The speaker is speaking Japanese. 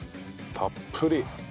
たっぷり。